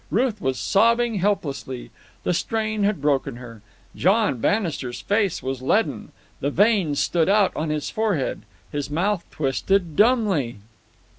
Ruth was sobbing helplessly. The strain had broken her. John Bannister's face was leaden. The veins stood out on his forehead. His mouth twisted dumbly.